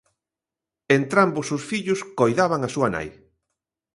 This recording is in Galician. Entrambos os fillos coidaban a súa nai